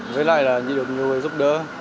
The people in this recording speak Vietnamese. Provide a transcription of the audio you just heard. với lại là nhìn được nhiều người giúp đỡ